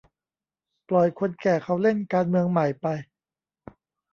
ปล่อยคนแก่เขาเล่น 'การเมืองใหม่' ไป